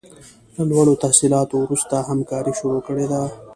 له لوړو تحصیلاتو وروسته همکاري شروع کړې ده.